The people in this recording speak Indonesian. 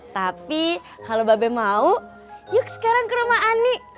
tapi kalau babe mau yuk sekarang ke rumah ani